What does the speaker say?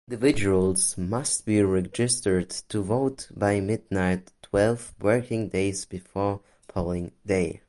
Individuals must be registered to vote by midnight twelve working days before polling day.